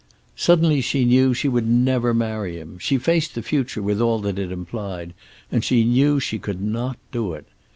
Suddenly she knew she would never marry him. She faced the future, with all that it implied, and she knew she could not do it.